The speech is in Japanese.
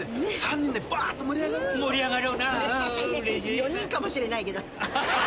４人かもしれないけど。